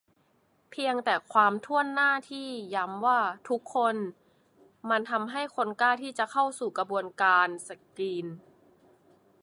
เพียงแต่ความถ้วนหน้าที่ย้ำว่า "ทุกคน" มันทำให้คนกล้าที่จะเข้าสู่กระบวนการสกรีน